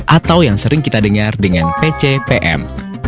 atau yang sering kita dengar dengan pcpm